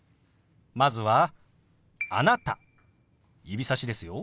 まずは「あなた」指さしですよ。